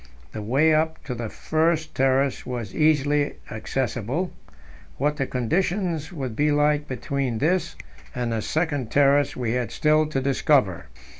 The way up to the first terrace was easily accessible; what the conditions would be like between this and the second terrace we had still to discover.